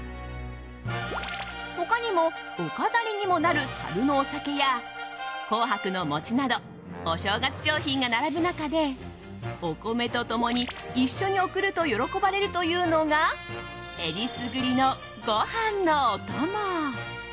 他にも、お飾りにもなるたるのお酒や紅白の餅などお正月商品が並ぶ中でお米と共に一緒に贈ると喜ばれるというのがえりすぐりのご飯のお供。